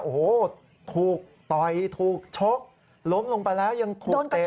โอ้โหถูกต่อยถูกชกล้มลงไปแล้วยังถูกเตะ